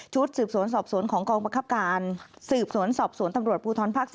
สืบสวนสอบสวนของกองบังคับการสืบสวนสอบสวนตำรวจภูทรภาค๔